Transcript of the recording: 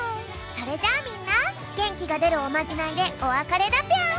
それじゃあみんなげんきがでるおまじないでおわかれだぴょん。